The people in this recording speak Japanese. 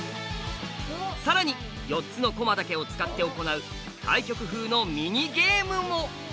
さらに４つの駒だけを使って行う対局風のミニゲームも。